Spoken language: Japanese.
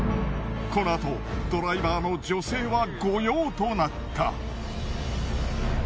このあとドライバーの女性は御用となった。